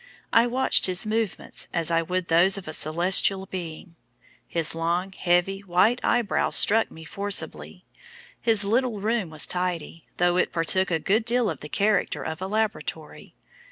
I watched his movements as I would those of a celestial being; his long, heavy, white eyebrows struck me forcibly. His little room was tidy, though it partook a good deal of the character of a laboratory.